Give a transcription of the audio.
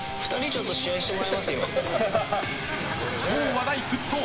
超話題沸騰！